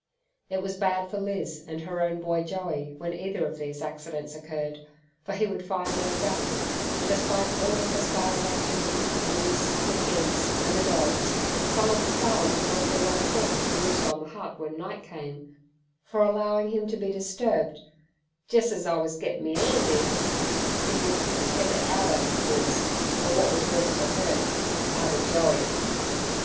It was bad for Liz and her own boy Joey when either of these accidents occurred, for he would fire no gun, and, despite all the perspiring activity of Liz, the kids, and the dogs, some of the fowls would make their way home to roost on the hut when night came For allowing him to be disturbed "jes as I wus gettin' me 'and in" he would "take it outer" Liz, or, what was worse to her, "outer" Joey.